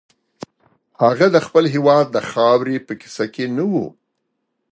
هغه د خپل هېواد د خاورې په کیسه کې نه و.